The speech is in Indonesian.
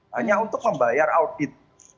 hanya untuk membayar audit